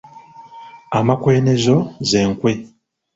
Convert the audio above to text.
Amakwenezo ze nkwe.